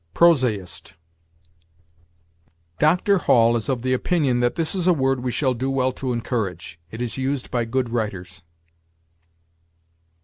PROSAIST. Dr. Hall is of opinion that this is a word we shall do well to encourage. It is used by good writers.